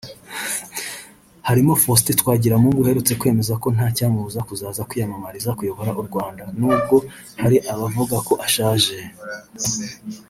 harimo Faustin Twagiramungu uherutse kwemeza ko ntacyamubuza kuzaza kwiyamamariza kuyobora u Rwanda n’ubwo hari abavuga ko ashaje